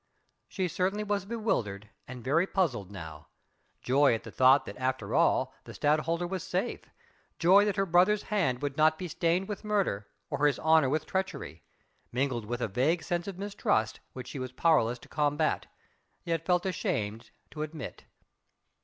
She certainly was bewildered and very puzzled now: joy at the thought that after all the Stadtholder was safe, joy that her brother's hand would not be stained with murder, or his honour with treachery, mingled with a vague sense of mistrust which she was powerless to combat, yet felt ashamed to admit.